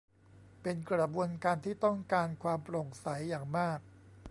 เป็นกระบวนการที่ต้องการความโปร่งใสอย่างมาก